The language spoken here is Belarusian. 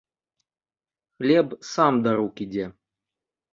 Хлеб сам да рук ідзе.